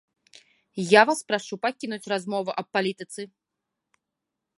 Я вас прашу пакінуць размову аб палітыцы!